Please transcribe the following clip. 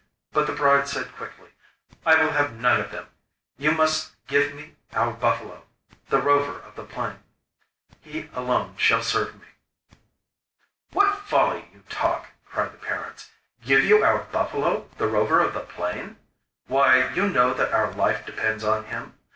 But the bride said quickly: 'I will have none of them! You must give me our buffalo, the Rover of the Plain; he alone shall serve me.' 'What folly you talk!' cried the parents. 'Give you our buffalo, the Rover of the Plain? Why, you know that our life depends on him.